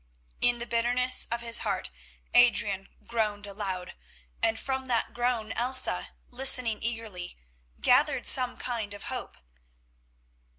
In the bitterness of his heart Adrian groaned aloud, and from that groan Elsa, listening eagerly, gathered some kind of hope.